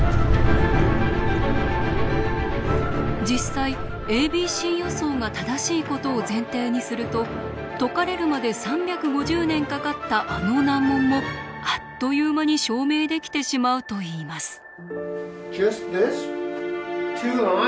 実際ａｂｃ予想が正しいことを前提にすると解かれるまで３５０年かかったあの難問もあっという間に証明できてしまうといいます。